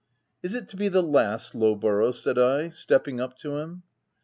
" c Is it to be the last, Lowborough V said I, stepping up to him.